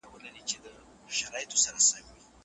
که مطالعه نه وي نو پرمختګ نسته.